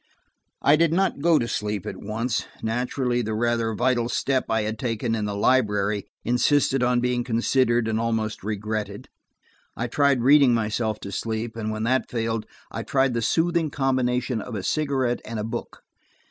I did not go to sleep at once: naturally the rather vital step I had taken in the library insisted on being considered and almost regretted. I tried reading myself to sleep, and when that failed, I tried the soothing combination of a cigarette and a book.